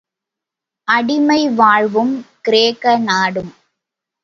அடிமை வாழ்வும் கிரேக்க நாடும்.